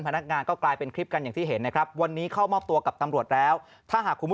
พนักงานก็กลายเป็นคลิปกันอย่างที่เห็นนะครับ